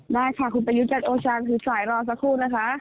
ได้ค่ะคุณประยุทธ์จันทร์โอชาคือสายรอสักครู่นะคะ